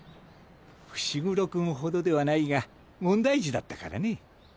伏黒君ほどではないが問題児だったからね。